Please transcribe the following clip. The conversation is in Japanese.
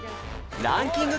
ランキング